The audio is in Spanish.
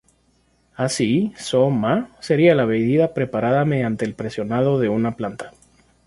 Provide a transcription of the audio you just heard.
Así "saw-ma" sería la bebida preparada mediante el presionado de una planta.